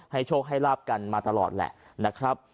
โชคให้ลาบกันมาตลอดแหละนะครับ